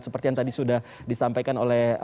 seperti yang tadi sudah disampaikan oleh